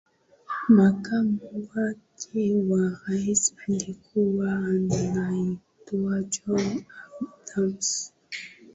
makamu wake wa Rais alikuwa anaitwa John Adams